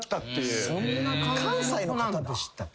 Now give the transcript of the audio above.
関西の方でしたっけ？